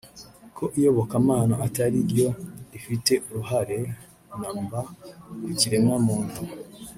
ko iyobokamana atari ryo rifite uruhare na mba ku kiremwa muntu